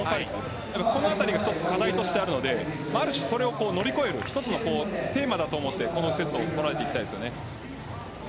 このあたりが課題としてあるのである種、それを乗り越える一つのテーマだと思うのでこのセットを捉えていきたいですね。